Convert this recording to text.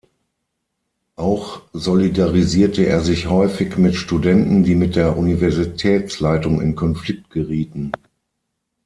Auch solidarisierte er sich häufig mit Studenten, die mit der Universitätsleitung in Konflikt gerieten.